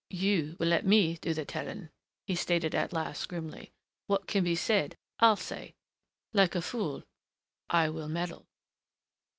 "You will let me do the telling," he stated at last, grimly. "What can be said, I'll say. Like a fool, I will meddle."